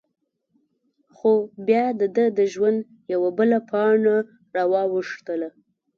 خو؛ بیا د دهٔ د ژوند یوه بله پاڼه را واوښته…